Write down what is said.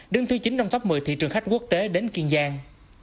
đứng thứ chín trong top một mươi thị trường khách quốc tế đến kiên giang